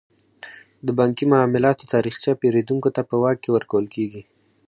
د بانکي معاملاتو تاریخچه پیرودونکو ته په واک کې ورکول کیږي.